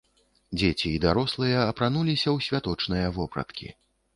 Дзеці і дарослыя апрануліся ў святочныя вопраткі.